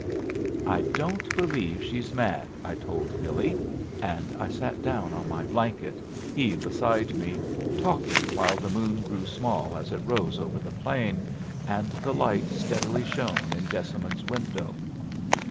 "I don't believe she's mad," I told Billy; and I sat down on my blanket, he beside me, talking while the moon grew small as it rose over the plain, and the light steadily shone in Jessamine's window.